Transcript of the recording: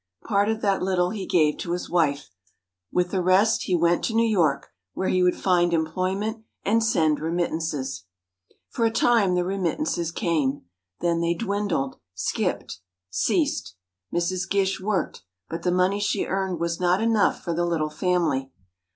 Part of that little he gave to his wife; with the rest, he went to New York, where he would find employment and send remittances. For a time the remittances came; then they dwindled, skipped, ceased. Mrs. Gish worked, but the money she earned was not enough for the little family.